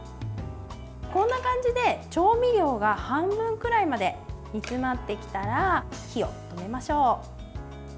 こんな感じで調味料が半分くらいまで煮詰まってきたら火を止めましょう。